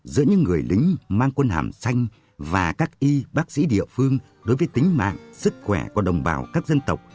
giữa những người lính mang quân hàm xanh và các y bác sĩ địa phương đối với tính mạng sức khỏe của đồng bào các dân tộc